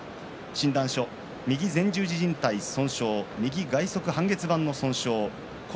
診断書、右前十字じん帯損傷右外側半月板の損傷骨